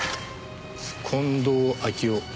近藤秋夫。